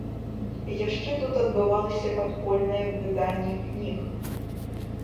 Яшчэ тут адбывалася падпольнае выданне кніг.